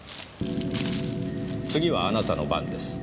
「次はあなたの番です。